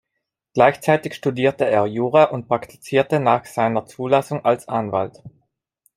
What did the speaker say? Gleichzeitig studierte er Jura und praktizierte nach seiner Zulassung als Anwalt.